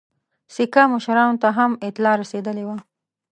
سیکه مشرانو ته هم اطلاع رسېدلې وه.